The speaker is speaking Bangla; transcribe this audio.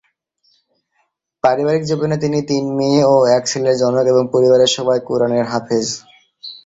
পারিবারিক জীবনে তিনি তিন মেয়ে ও এক ছেলের জনক এবং পরিবারের সবাই কুরআনের হাফেজ।